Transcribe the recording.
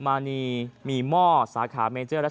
จำนวนนักท่องเที่ยวที่เดินทางมาพักผ่อนเพิ่มขึ้นในปีนี้